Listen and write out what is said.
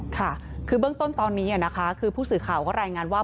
ค่ะคือเบื้องต้นตอนนี้นะคะคือผู้สื่อข่าวก็รายงานว่า